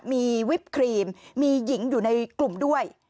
มีวิปครีมมีหญิงอยู่ในกลุ่มด้วย